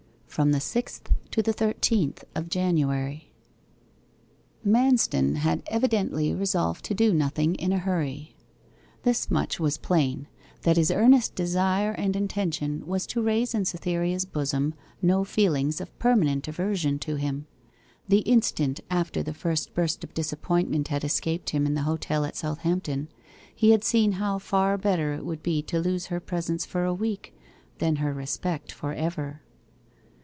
FROM THE SIXTH TO THE THIRTEENTH OF JANUARY Manston had evidently resolved to do nothing in a hurry. This much was plain, that his earnest desire and intention was to raise in Cytherea's bosom no feelings of permanent aversion to him. The instant after the first burst of disappointment had escaped him in the hotel at Southampton, he had seen how far better it would be to lose her presence for a week than her respect for ever.